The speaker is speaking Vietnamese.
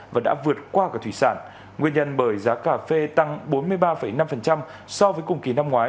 và đã vượt qua cả thủy sản nguyên nhân bởi giá cà phê tăng bốn mươi ba năm so với cùng kỳ năm ngoái